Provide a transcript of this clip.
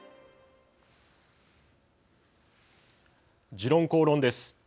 「時論公論」です。